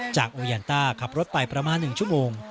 จากโอญาณเตตัมขับรถไปประมาณ๑ชั่วโมง